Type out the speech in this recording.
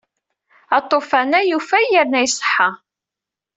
Aṭufan-a yufay yerna iṣeḥḥa.